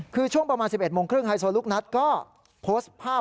คือช่วงประมาณ๑๑โมงครึ่งไฮโซลูกนัทก็โพสต์ภาพ